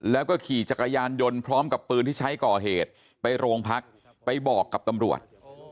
แล้วก็ขี่จักรยานยนต์พร้อมกับปืนที่ใช้ก่อเหตุไปโรงพักไปบอกกับตำรวจ